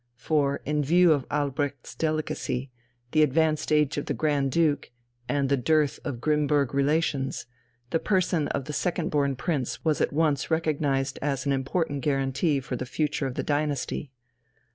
For in view of Albrecht's delicacy, the advanced age of the Grand Duke, and the dearth of Grimmburg relations, the person of the second born prince was at once recognized as an important guarantee for the future of the dynasty.